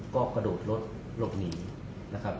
ก็กระโดดรถหลบหนีนะครับ